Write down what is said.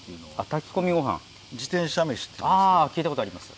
聞いたことあります。